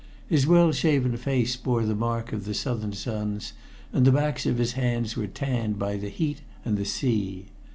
His well shaven face bore the mark of the southern suns, and the backs of his hands were tanned by the heat and the sea.